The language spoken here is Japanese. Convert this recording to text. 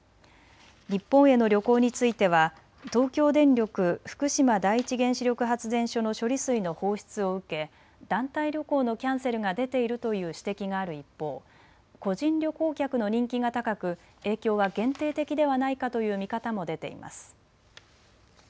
日本への旅行については東京電力福島第一原子力発電所の処理水の放出を受け団体旅行のキャンセルが出ているという指摘がある一方、個人旅行客の人気が高く影響は限定的ではないかという見方も出ています。